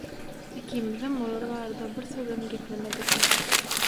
Ikimizem olar barada bir sözem geplemedik.